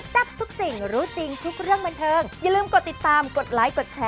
จิ้งจบตุ๊กแกเนี่ยเอาล่ะ